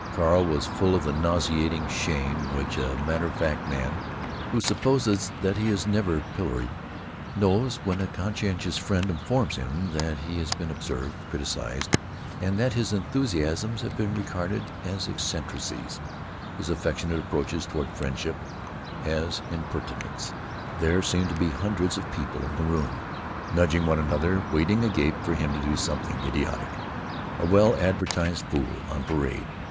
Carl was full of the nauseating shame which a matter of fact man, who supposes that he is never pilloried, knows when a conscientious friend informs him that he has been observed, criticized; that his enthusiasms have been regarded as eccentricities; his affectionate approaches toward friendship as impertinence. There seemed to be hundreds of people in the room, nudging one another, waiting agape for him to do something idiotic; a well advertised fool on parade.